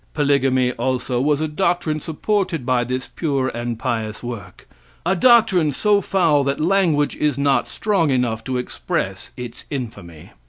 Polygamy, also, was a doctrine supported by this pure and pious work; a doctrine so foul that language is not strong enough to express its infamy.